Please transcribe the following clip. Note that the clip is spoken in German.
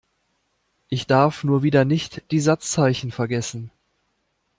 Ich darf nur wieder nicht die Satzzeichen vergessen.